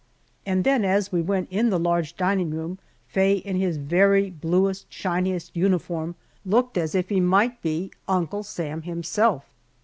And then, as we went in the large dining room, Faye in his very bluest, shiniest uniform, looked as if he might be Uncle Sam himself.